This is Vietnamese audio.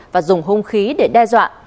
và dùng hung khí để đe dọa